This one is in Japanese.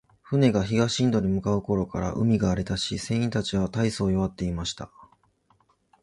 船が東インドに向う頃から、海が荒れだし、船員たちは大そう弱っていました。